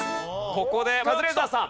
ここでカズレーザーさん。